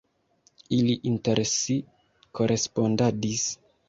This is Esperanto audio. Ili inter si korespondadis.